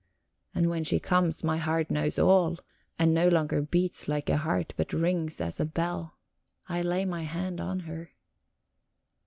And when she comes, my heart knows all, and no longer beats like a heart, but rings as a bell. I lay my hand on her.